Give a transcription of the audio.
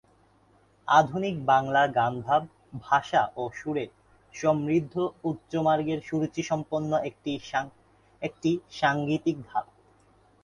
আধুনিক বাংলা গান ভাব, ভাষা ও সুরে সমৃদ্ধ উচ্চমার্গের সুরুচিসম্পন্ন একটি সাঙ্গীতিক ধারা।